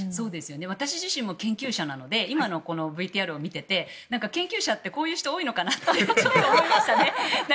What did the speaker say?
私自身も研究者なので今のＶＴＲを見ていて研究者ってこういう人が多いのかなって気がしました。